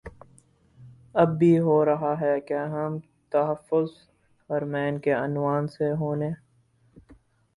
اب بھی ہو رہاہے کیا ہم تحفظ حرمین کے عنوان سے ہونے